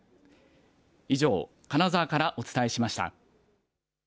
以上、金沢からお伝えしました。